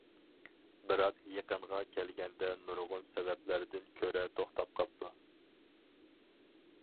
بىراق يېقىنغا كەلگەندە نۇرغۇن سەۋەبلەردىن كۆرە توختاپ قاپتۇ.